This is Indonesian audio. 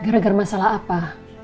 gara gara masalah apa